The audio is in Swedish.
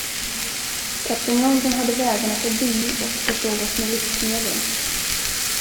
Kapten Jansson hade vägarna förbi och försåg oss med livsmedel.